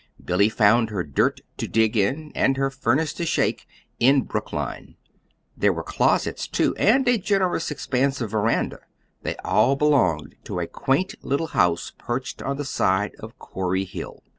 Billy found her dirt to dig in, and her furnace to shake, in Brookline. There were closets, too, and a generous expanse of veranda. They all belonged to a quaint little house perched on the side of Corey Hill.